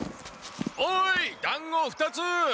おいだんご２つ！